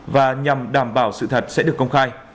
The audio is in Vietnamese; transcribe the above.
và nhằm đảm bảo sự thật sẽ được công khai